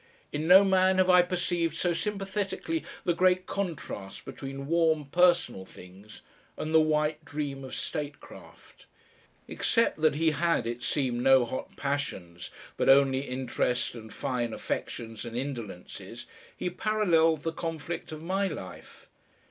In no man have I perceived so sympathetically the great contrast between warm, personal things and the white dream of statecraft. Except that he had it seemed no hot passions, but only interests and fine affections and indolences, he paralleled the conflict of my life.